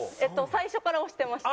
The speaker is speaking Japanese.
最初から押してました。